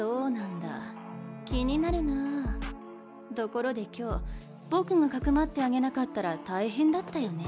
ところで今日僕がかくまってあげなかったら大変だったよね。